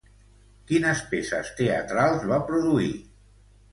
Quines peces teatrals va produir?